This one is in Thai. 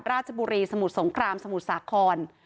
ราชบุรีสมุทรสงครามสมุทรสาคร